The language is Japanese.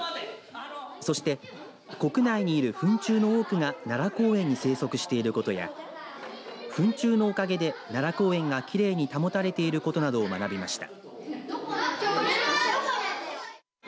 そして国内にいるふん虫の多くが奈良公園に生息していることやふん虫のおかげで奈良公園がきれいに保たれていることなどを学びました。